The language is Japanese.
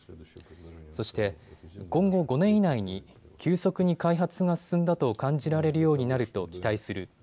そして、今後５年以内に急速に開発が進んだと感じられるようになると期待する。